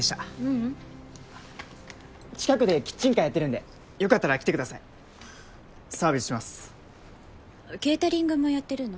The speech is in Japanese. ううん近くでキッチンカーやってるんでよかったら来てくださいサービスしますケータリングもやってるの？